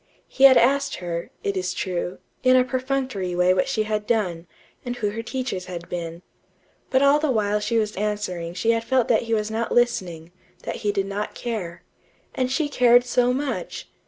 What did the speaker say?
He had asked her, it is true, in a perfunctory way what she had done, and who her teachers had been. But all the while she was answering she had felt that he was not listening; that he did not care. And she cared so much!